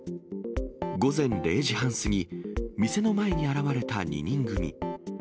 午前０時半過ぎ、店の前に現れた２人組。